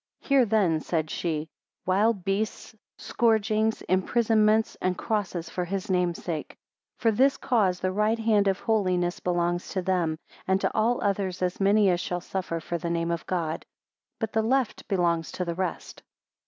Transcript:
Hear then, said she: wild beasts, scourgings, imprisonments, and crosses for his name sake. 18 For this cause the right hand of holiness belongs to them, and to all others as many as shall suffer for the name of God; but the left belongs to the rest.